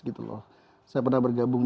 gitu loh saya pernah bergabung